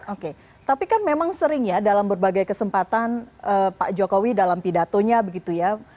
oke tapi kan memang sering ya dalam berbagai kesempatan pak jokowi dalam pidatonya begitu ya